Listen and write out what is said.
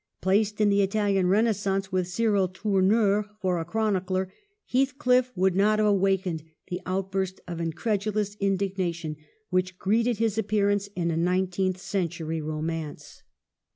Placed in the Italian Re naissance, with Cyril Tourneur for a chronicler, Heathcliff would not have awakened the out burst of incredulous indignation which greeted his appearance in a nineteenth century ro mance. 264 EMILY BRONTE.